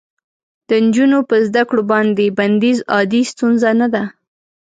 د نجونو په زده کړو باندې بندیز عادي ستونزه نه ده.